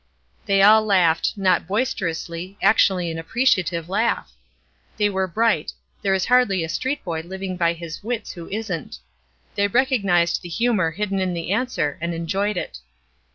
They all laughed, not boisterously, actually an appreciative laugh. They were bright; there is hardly a street boy living by his wits who isn't. They recognized the humor hidden in the answer, and enjoyed it.